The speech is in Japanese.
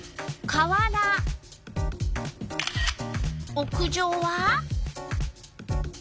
屋上は？